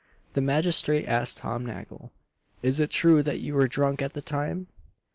The magistrate asked Tom Nagle "Is it true that you were drunk at the time?"